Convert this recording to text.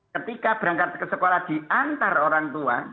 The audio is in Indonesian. ketika berangkat ke sekolah diantar orang tua